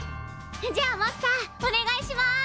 じゃあマスターお願いします！